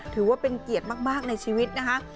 ถือว่าเป็นเกียรติมากในชีวิตนะคะ